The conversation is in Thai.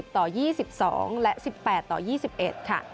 ต่อ๒๒และ๑๘ต่อ๒๑ค่ะ